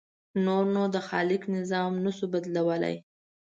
نور نو د خالق نظام نه شو بدلولی.